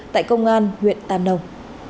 tại công an huyện tam đông